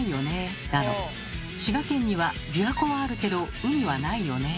だの「滋賀県には琵琶湖はあるけど海はないよね」